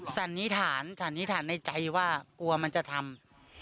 สันนิษฐานสันนิษฐานในใจว่ากลัวมันจะทำ